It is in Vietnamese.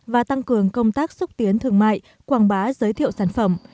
và tăng cường công tác xúc tiến thương mại quảng bá giới thiệu sản phẩm